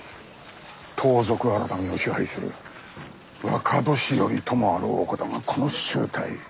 盗賊改を支配する若年寄ともあろうお方がこの醜態。